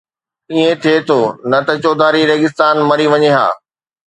ائين ٿئي ٿو، نه ته چوڌاري ريگستان مري وڃي ها